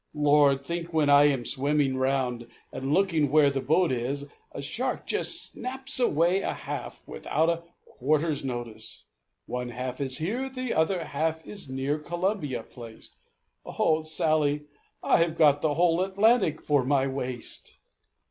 "Lord! think when I am swimming round, And looking where the boat is, A shark just snaps away a half, Without a 'quarter's notice.' "One half is here, the other half Is near Columbia placed; Oh! Sally, I have got the whole Atlantic for my waist.